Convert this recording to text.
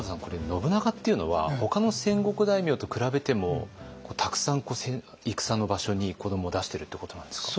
信長っていうのはほかの戦国大名と比べてもたくさん戦の場所に子どもを出してるってことなんですか？